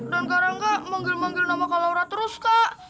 dan karangga manggil manggil nama kak laura terus kak